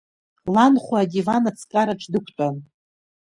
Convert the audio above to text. Ланхәа адиван аҵкараҿ дықәтәан.